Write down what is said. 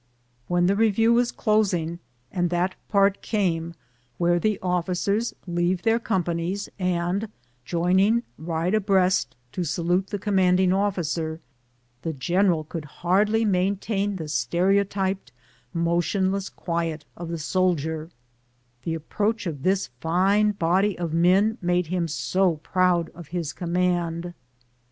When the review was closing, and that part came where the officers leave their companies and, join ing, ride abreast to salute the commanding officer, the general could hardly maintain the stereotyped, motion WESTERN HOSPITALITY. 33 less quiet of the soldier — the approach of this fine body of men made him so proud of his command.